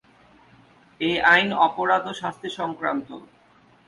এ আইন অপরাধ ও শাস্তি সংক্রান্ত।